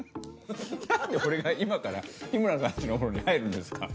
何で俺が今から日村さん家のお風呂に入るんですか。